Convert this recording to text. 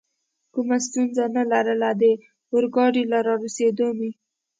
کومه ستونزه نه لرله، د اورګاډي له رارسېدو مې.